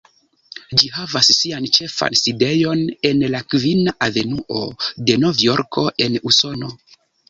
Ĝi havas sian ĉefan sidejon en la Kvina Avenuo de Novjorko en Usono.